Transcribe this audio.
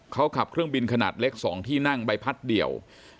เขาขับเครื่องบินขนาดเล็ก๒ที่นั่งใบพัดเดี่ยว